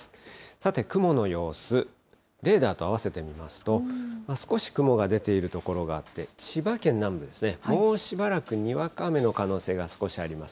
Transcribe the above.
さて、雲の様子、レーダーと合わせてみますと、少し雲が出ている所があって、千葉県南部ですね、もうしばらくにわか雨の可能性が少しあります。